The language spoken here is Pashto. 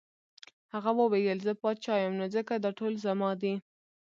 هغه وویل زه پاچا یم نو ځکه دا ټول زما دي.